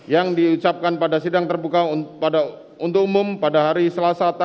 yang diucapkan pada sidang terbuka untuk umum pada hari selasa